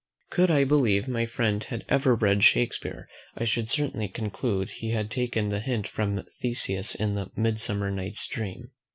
Could I believe my friend had ever read Shakespeare, I should certainly conclude he had taken the hint from Theseus in the MIDSUMMER NIGHT'S DREAM.